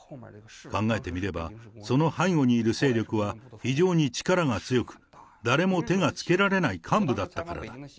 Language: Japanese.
考えてみれば、その背後にいる勢力は非常に力が強く、誰も手がつけられない幹部だったからだ。